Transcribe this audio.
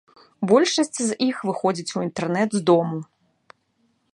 Большасць з іх выходзіць у інтэрнэт з дому.